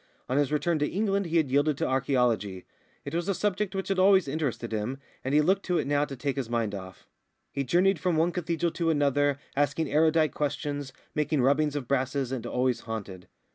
On his return to England he had yielded to archæology; it was a subject which had always interested him, and he looked to it now to take his mind off. He journeyed from one cathedral city to another, asking erudite questions, making rubbings of brasses, and always haunted.